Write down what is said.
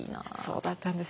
そうだったんですね。